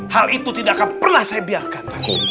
hal itu tidak akan pernah saya biarkan